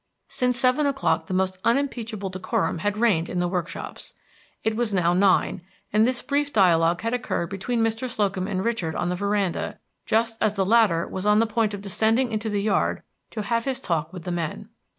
Since seven o'clock the most unimpeachable decorum had reigned in the workshops. It was now nine, and this brief dialogue had occurred between Mr. Slocum and Richard on the veranda, just as the latter was on the point of descending into the yard to have his talk with the men.